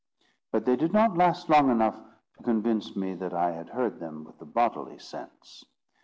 But they did not last long enough to convince me that I had heard them with the bodily sense.